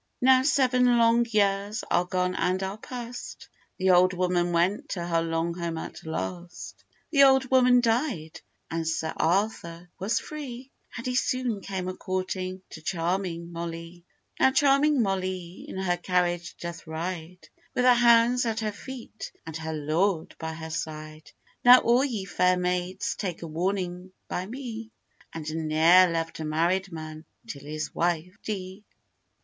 Now seven long years are gone and are past, The old woman went to her long home at last; The old woman died, and Sir Arthur was free, And he soon came a courting to charming Mollee. Now charming Mollee in her carriage doth ride, With her hounds at her feet, and her lord by her side: Now all ye fair maids take a warning by me, And ne'er love a married man till his wife dee.